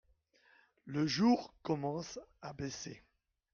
Le jour commence à baisser.